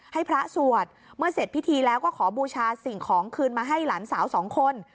ให้พระสวดเมื่อเสร็จพิธีแล้วก็ขอบูชาสิ่งของคืนมาให้หลานสาวสองคน